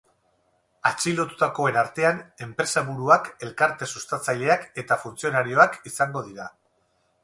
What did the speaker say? Atxilotutakoen artean enpresaburuak, elkarte sustatzaileak eta funtzionarioak izango dira.